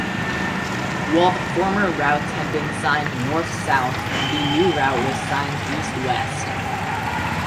While the former routes had been signed north-south, the new route was signed east-west.